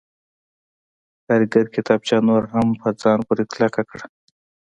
کارګر کتابچه نوره هم په ځان پورې کلکه کړه